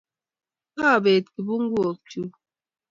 Kabeet kibunguok chu